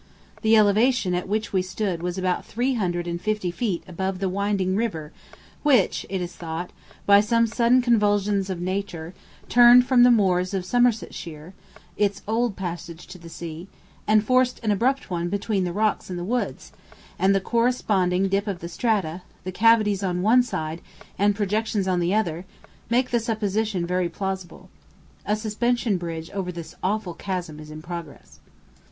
The elevation at which we stood was about three hundred and fifty feet above the winding river which, it is thought, by some sudden convulsion of nature, turned from the moors of Somersetshire, its old passage to the sea, and forced an abrupt one between the rocks and the woods; and the corresponding dip of the strata, the cavities on one side, and projections on the other, make the supposition very plausible. A suspension bridge over this awful chasm is in progress.